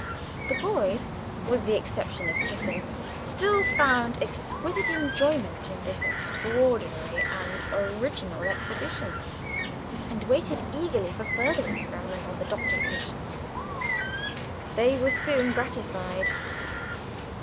The boys (with the exception of Kiffin) still found exquisite enjoyment in this extraordinary and original exhibition, and waited eagerly for further experiment on the Doctor's patience. They were soon gratified.